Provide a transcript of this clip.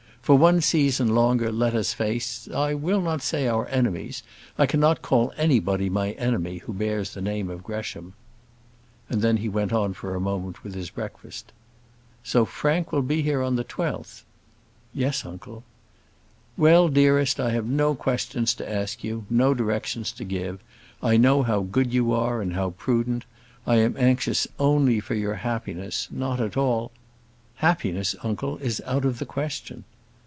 For one season longer let us face I will not say our enemies; I cannot call anybody my enemy who bears the name of Gresham." And then he went on for a moment with his breakfast. "So Frank will be here on the 12th?" "Yes, uncle." "Well, dearest, I have no questions to ask you: no directions to give. I know how good you are, and how prudent; I am anxious only for your happiness; not at all " "Happiness, uncle, is out of the question."